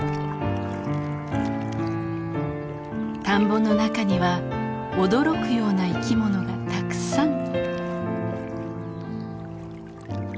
田んぼの中には驚くような生き物がたくさん。